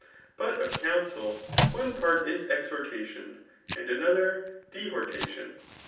But of counsel, one part is exhortation, and another dehprtation.